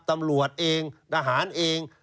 ตำรวจเองทหารเอง